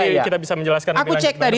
tidak ada yang bisa menjelaskan